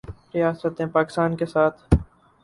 ریاست نے پاکستان کا ساتھ